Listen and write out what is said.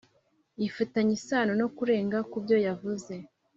gifitanye isano no kurenga kubyo yavuze